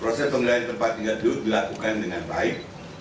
proses pengelolaan tempat diaduk dilakukan dengan baik